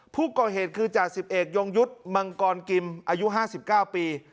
ผู้ก่อเหตุคือจ่าสิบเอกยงยุทธ์มังกรกิมอายุ๕๙ปี